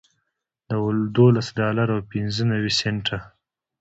دولس ډالره او پنځه نوي سنټه